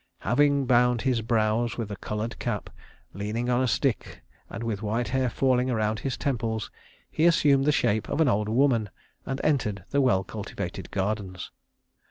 "Having bound his brows with a colored cap, leaning on a stick and with white hair falling around his temples, he assumed the shape of an old woman and entered the well cultivated gardens."